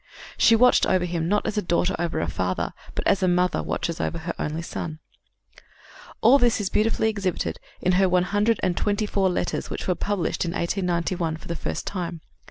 She watched over him, not as a daughter over a father, but as a mother watches over an only son. All this is beautifully exhibited in her one hundred and twenty four letters which were published in 1891 for the first time.